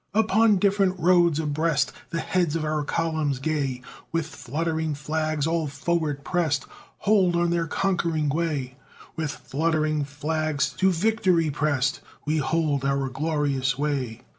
Upon different roads, abreast, The heads of our columns gay, With fluttering flags, all forward pressed, Hold on their conquering way; With fluttering flags to victory pressed, We hold our glorious way.